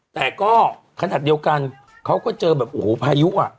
แต่ก็ขนาดเดียวกันเขาก็เจอแบบโอ้โหพายุอ่ะ